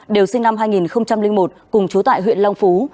đều sinh năm hai nghìn một cùng chú tại huyện long phú